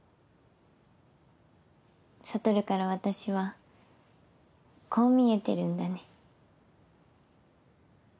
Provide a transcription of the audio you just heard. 悟から私はこう見えてるんだね。